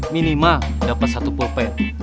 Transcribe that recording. minimal dapat satu pulpen